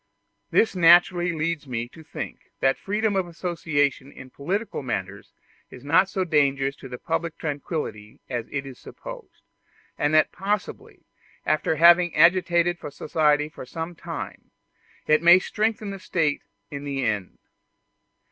This naturally leads me to think that freedom of association in political matters is not so dangerous to public tranquillity as is supposed; and that possibly, after having agitated society for some time, it may strengthen the State in the end.